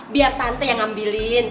biar tante yang ngambilin